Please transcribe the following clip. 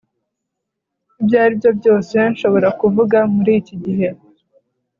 Ibyo aribyo byose nshobora kuvuga muriki gihe